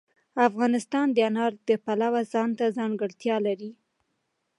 افغانستان د انار د پلوه ځانته ځانګړتیا لري.